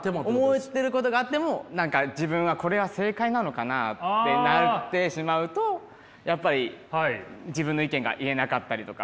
思ってることがあっても自分は「これは正解なのかな？」ってなってしまうとやっぱり自分の意見が言えなかったりとか。